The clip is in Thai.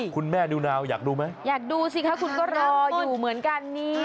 คุณแม่นิวนาวอยากดูไหมอยากดูสิคะคุณก็รออยู่เหมือนกันนี่